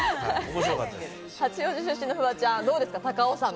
八王子出身のフワちゃん、どうですか？